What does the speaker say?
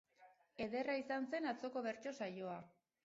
Ederra izan zen atzoko bertso saioa